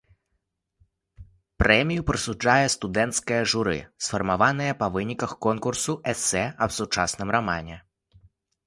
Прэмію прысуджае студэнцкае журы, сфармаванае па выніках конкурсу эсэ аб сучасным рамане.